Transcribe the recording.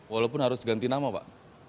walaupun harus ganti nama pak